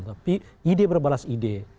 tapi ide berbalas ide